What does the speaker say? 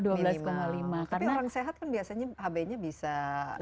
tapi orang sehat biasanya hb nya bisa lebih atas